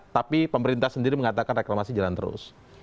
tapi pemerintah sendiri mengatakan reklamasi jalan terus